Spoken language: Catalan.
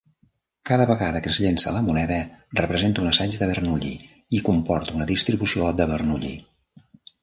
Cada vegada que es llança la moneda representa un assaig de Bernoulli i comporta una distribució de Bernoulli.